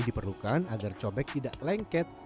diperlukan agar cobek tidak lengket